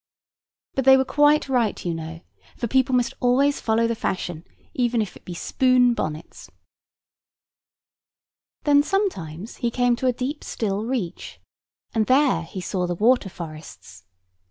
But they were quite right, you know; for people must always follow the fashion, even if it be spoon bonnets. [Picture: Lady in 1862 bonnet] Then sometimes he came to a deep still reach; and there he saw the water forests.